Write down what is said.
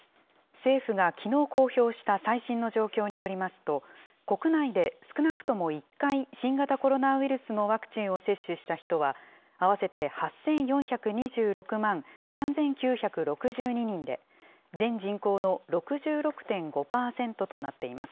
政府がきのう公表した最新の状況によりますと、国内で少なくとも１回、新型コロナウイルスのワクチンを接種した人は、合わせて８４２６万３９６２人で、全人口の６６．５％となっています。